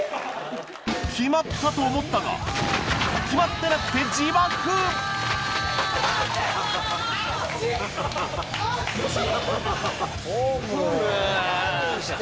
決まった！と思ったが決まってなくてあっちぃ！